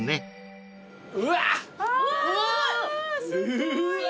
すごい！